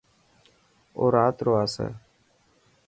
او رات رو آسي.